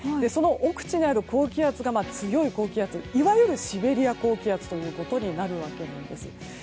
その奥地にある高気圧が強い高気圧いわゆるシベリア高気圧ということになるわけなんです。